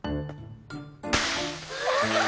うわ！